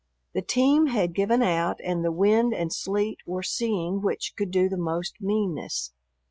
The team had given out and the wind and sleet were seeing which could do the most meanness.